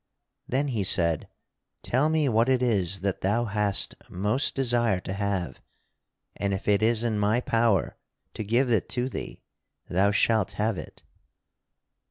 Then he said: "Tell me what it is that thou hast most desire to have, and if it is in my power to give it to thee thou shalt have it."